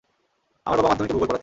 আমার বাবা মাধ্যমিকে ভূগোল পড়াতেন।